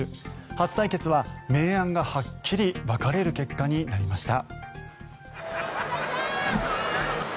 初対決は明暗がはっきり分かれる結果になりました。